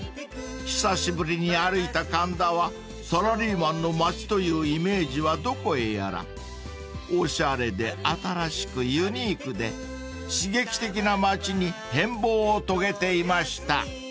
［久しぶりに歩いた神田はサラリーマンの街というイメージはどこへやら］［おしゃれで新しくユニークで刺激的な街に変貌を遂げていました］